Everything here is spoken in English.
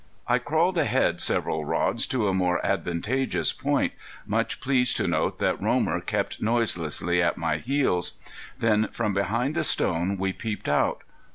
I crawled ahead several rods to a more advantageous point, much pleased to note that Romer kept noiselessly at my heels. Then from behind a stone we peeped out.